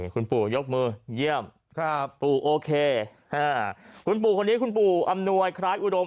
คุณปู่ยกมือเยี่ยมปู่โอเคคุณปู่คนนี้คุณปู่อำนวยคล้ายอุดม